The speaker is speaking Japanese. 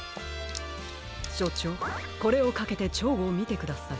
しょちょうこれをかけてチョウをみてください。